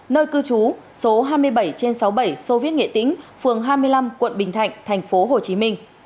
nơi cư trú số hai mươi bảy sáu mươi bảy xô viết nghệ tính phường hai mươi năm quận bình thạnh thành phố hồ chí minh